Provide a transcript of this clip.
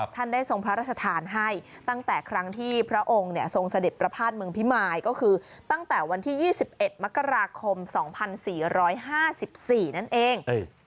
ท่านได้ทรงพระราชทานให้ตั้งแต่ครั้งที่พระองค์ทรงเสด็จประพาทเมืองพิมายก็คือตั้งแต่วันที่๒๑มกราคม๒๔๕๔นั่นเอง